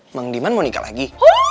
emang diman mau nikah lagi